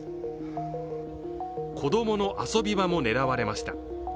子供の遊び場も狙われました。